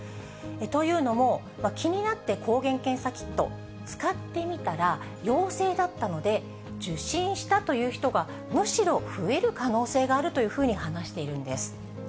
というのも、気になって抗原検査キット使ってみたら、陽性だったので、受診したという人が、むしろ増える可能性があるというふうに話しているんです。